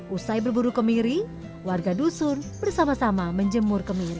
usai berburu kemiri warga dusun bersama sama menjemur kemiri